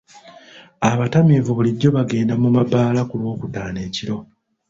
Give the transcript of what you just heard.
Abatamiivu bulijjo bagenda mu mabbaala ku lwokutaano ekiro.